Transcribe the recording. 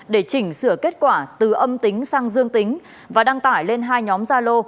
để chỉnh sửa kết quả từ âm tính sang dương tính và đăng tải lên hai nhóm gia lô